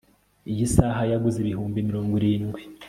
iyi saha yaguze ibihumbi mirongo irindwi